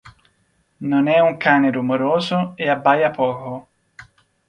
Non è un cane rumoroso e abbaia poco.